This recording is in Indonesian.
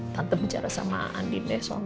tante bicara sama andin besok